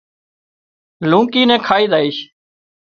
لونڪي نين کائي زائيش